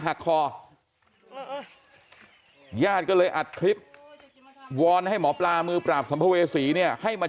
หักคอญาติก็เลยอัดคลิปวอนให้หมอปลามือปราบสัมภเวษีเนี่ยให้มา